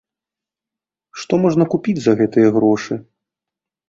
Што можна купіць за гэтыя грошы?